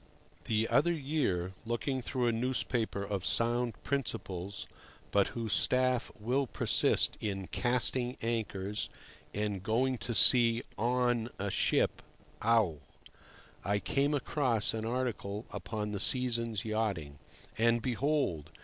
THE other year, looking through a newspaper of sound principles, but whose staff will persist in "casting" anchors and going to sea "on" a ship (ough!), I came across an article upon the season's yachting. And, behold!